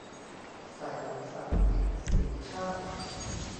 สายลับสามมิติ - สีชาติ